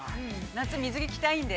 夏、水着、着たいんで。